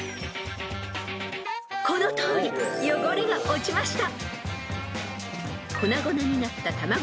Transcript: ［このとおり汚れが落ちました］